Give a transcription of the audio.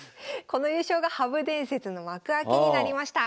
この優勝が羽生伝説の幕開けになりました。